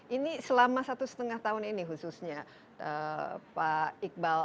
ini selama satu setengah tahun ini khususnya pak iqbal